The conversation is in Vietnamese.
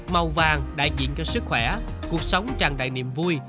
màu vàng đại diện cho sức khỏe cuộc sống tràn đầy niềm vui